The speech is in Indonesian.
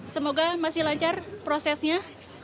semoga masih lancar prosesnya